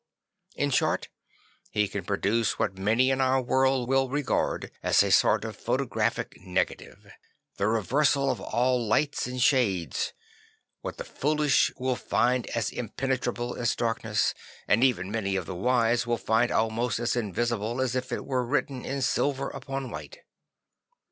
In short he can produce what many in our world will regard as a sort of photographic negative, the reversal of all lights and shades; what the foolish will find as impenetrable as darkness and even many of the wise will find almost as invisible as if it were \vritten in silver upon white.